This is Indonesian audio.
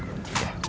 udah dapet lah